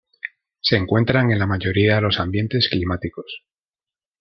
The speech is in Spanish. Se encuentran en la mayoría de los ambientes climáticos.